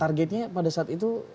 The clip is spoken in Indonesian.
targetnya pada saat itu